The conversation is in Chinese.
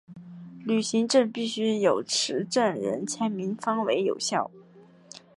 旅行证必须有持证人签名方为有效。